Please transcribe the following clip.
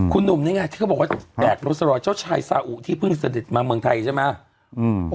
คุณหนุ่มนี่ไงที่เขาบอกว่าแดดโรสรอยเจ้าชายซาอุที่เพิ่งเสด็จมาเมืองไทยใช่ไหม